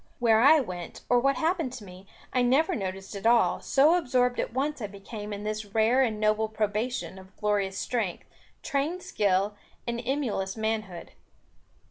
Where I went, or what happened to me, I never noticed at all, so absorbed at once I became in this rare and noble probation of glorious strength, trained skill, and emulous manhood.